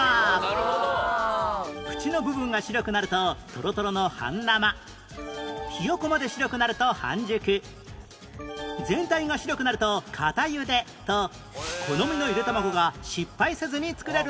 縁の部分が白くなるとトロトロの半生ひよこまで白くなると半熟全体が白くなると固ゆでと好みのゆで卵が失敗せずに作れるんです